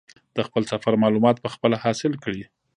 د خپل سفر معلومات په خپله حاصل کړي.